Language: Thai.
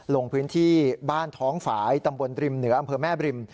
ลงพื้นที่บ้านท้องฝ่ายตำบลริมเหนืออำเภอแม่บริม